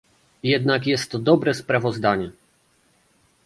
Jednak jest to dobre sprawozdanie